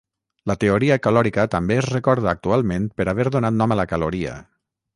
La teoria calòrica també es recorda actualment per haver donat nom a la caloria.